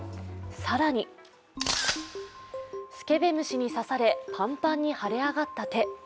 更にスケベ虫に刺されパンパンに腫れ上がった手。